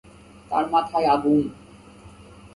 তার মাথায় আগুন।